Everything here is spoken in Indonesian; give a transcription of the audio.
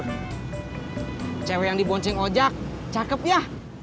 hai cewek yang di boncing ojak cakep ya